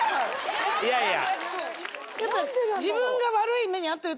いやいや。